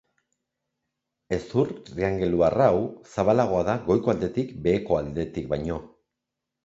Hezur triangeluar hau, zabalagoa da goiko aldetik beheko aldetik baino.